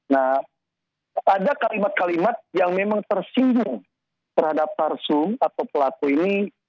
nah ada kalimat kalimat yang memang tersinggung terhadap tarsum atau pelaku ini